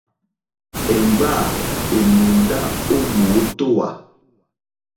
Èmgbâ èmùndá ó mǒtówà.